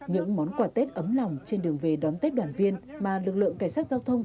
những món quà tết ấm lòng trên đường về đón tết đoàn viên mà lực lượng cảnh sát giao thông